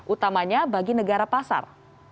utamanya bagi negara pasar